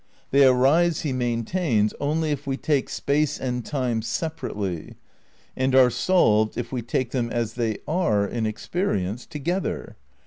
They arise, he maintains, only if we take Space and Time separately, and are solved if we take them, as they are in experience, together.